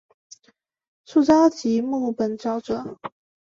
树沼即木本沼泽。